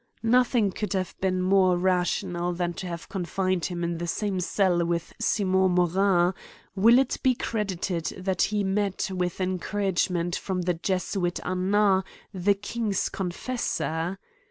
Nothing could have been more rational than to have confined him in the same cell with Simon Morin : will it be credited that he met with en couragement from the Jesuit Annaty the king's confessor